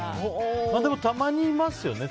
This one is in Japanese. でもたまにいますよね。